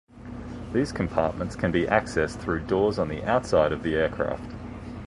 These compartments can be accessed through doors on the outside of the aircraft.